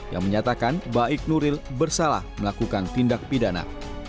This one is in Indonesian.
yang menyatakan baik nuril bersalah melakukan tindak pidana